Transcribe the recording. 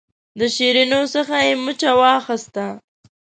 د شیرینو څخه یې مچه واخیسته.